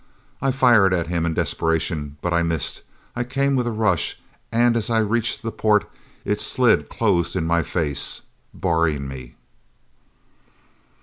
I fired at him in desperation, but missed. I came with a rush. And as I reached the port, it slid closed in my face, barring me!